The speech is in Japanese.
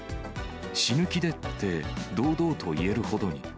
死ぬ気でって堂々と言えるほどに。